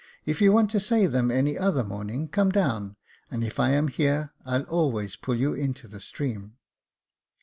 If you want to say them any other morning come down, and if I am here, I'll always pull you into the stream."